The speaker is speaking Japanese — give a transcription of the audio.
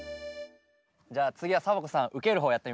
じゃあつぎはサボ子さんうけるほうやってみましょう。